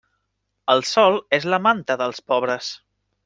El sol és la manta dels pobres.